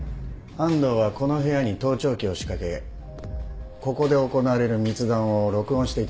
安藤はこの部屋に盗聴器を仕掛けここで行われる密談を録音していたんです。